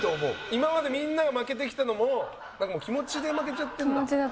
今までみんなが負けてきたのもなんかもう気持ちで負けちゃってんだ。